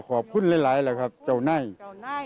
โอ้ยก็ขอบคุณหลายแหละครับเจ้าหน้า